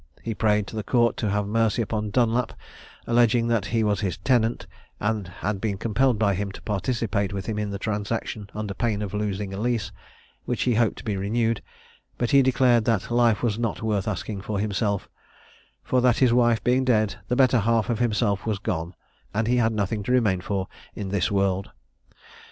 He prayed the Court to have mercy upon Dunlap, alleging that he was his tenant, and had been compelled by him to participate with him in the transaction, under pain of losing a lease, which he hoped to be renewed; but he declared that life was not worth asking for himself, for that his wife being dead, the better half of himself was gone, and he had nothing to remain for in this world.